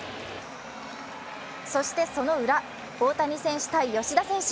そしてそのウラ、大谷選手対吉田選手。